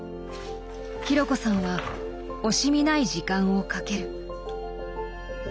紘子さんは惜しみない時間をかける。